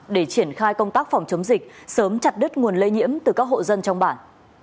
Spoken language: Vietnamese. để triển khai công tác phòng chống dịch sớm chặt đứt nguồn lây nhiễm từ các hộ dân trong bản